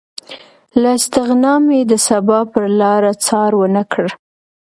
له استغنا مې د سبا پرلاره څار ونه کړ